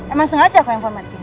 emang sengaja aku handphone matiin